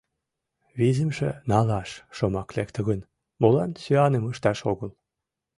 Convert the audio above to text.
— Визымше — «налаш» шомак лекте гын, молан сӱаным ышташ огыл?